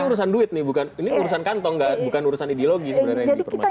ini urusan duit nih ini bukan urusan kantong bukan urusan ideologi sebenarnya